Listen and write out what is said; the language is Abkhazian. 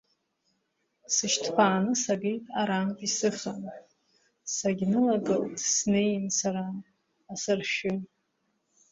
Сышьҭԥааны сагеит арантә исыхан, сагьнылагылт снеин сара асыршәы.